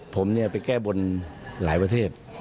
ผมเนี่ยไปแก้บนหลายประเทศ